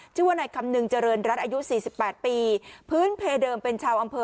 ชื่อว่านายคำนึงเจริญรัฐอายุสี่สิบแปดปีพื้นเพเดิมเป็นชาวอำเภอ